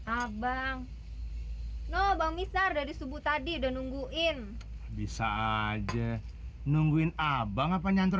abang no bang mistar dari subuh tadi udah nungguin bisa aja nungguin abang apa nyantur